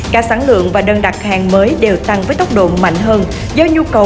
cả sản lượng và đơn đặt hàng mới đều tăng với tốc độ mạnh hơn